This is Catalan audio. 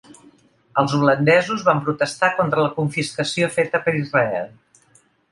Els holandesos van protestar contra la confiscació feta per Israel.